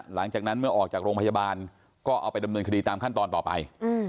หลังจากนั้นเมื่อออกจากโรงพยาบาลก็เอาไปดำเนินคดีตามขั้นตอนต่อไป